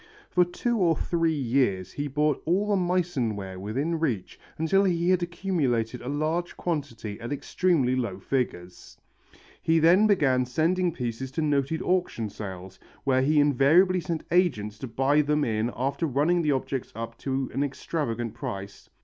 For two or three years he bought all the Meissen ware within reach until he had accumulated a large quantity at extremely low figures. Then he began sending pieces to noted auction sales, where he invariably sent agents to buy them in after running the objects up to an extravagant price.